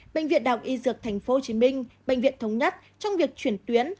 bệnh viện đào y dược tp hcm bệnh viện thống nhất trong việc chuyển tuyến